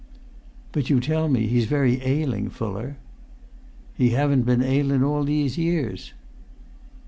"But you tell me he's very ailing, Fuller." "He haven't been ailun all these years."